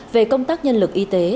về công tác nhân lực y tế